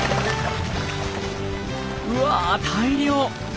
うわ大漁！